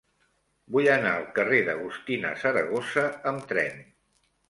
Vull anar al carrer d'Agustina Saragossa amb tren.